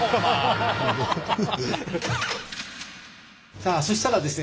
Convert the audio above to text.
さあそしたらですね